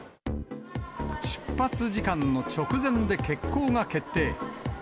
出発時間の直前で欠航が決定。